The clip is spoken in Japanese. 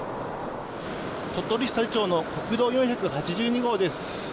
鳥取市佐治町の国道４８２号です。